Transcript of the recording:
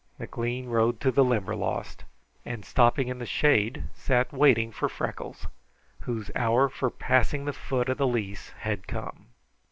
McLean rode to the Limberlost, and stopping in the shade, sat waiting for Freckles, whose hour for passing the foot of the lease had come.